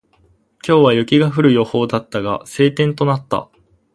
今日は雪が降る予報だったが、晴天となった。